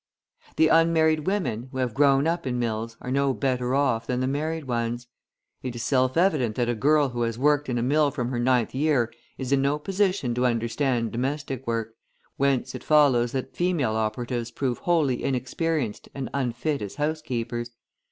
The unmarried women, who have grown up in mills, are no better off than the married ones. It is self evident that a girl who has worked in a mill from her ninth year is in no position to understand domestic work, whence it follows that female operatives prove wholly inexperienced and unfit as housekeepers.